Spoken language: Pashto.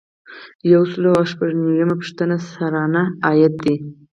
یو سل او شپږ نوي یمه پوښتنه سرانه عاید دی.